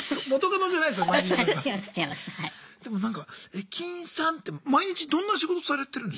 駅員さんって毎日どんな仕事されてるんですか